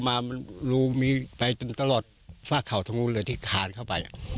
มันไปเจอทีมั้ยที่ไหนครับ